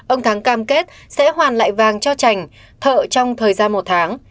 ông thắng cam kết sẽ hoàn lại vàng cho trành thợ trong thời gian một tháng